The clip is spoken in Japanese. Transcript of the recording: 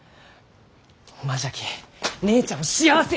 おまんじゃき姉ちゃんを幸せに！